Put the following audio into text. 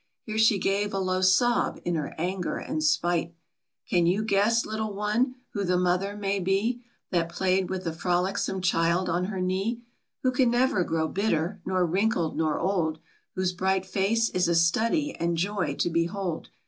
^ Here she gave a low sob, in her anger and spite. Can you guess, little one, who the Mother may be, That played with the frolicsome child on her knee ; Who can never grow bitter, nor wrinkled, nor old ; Whose bright face is a study and joy to behold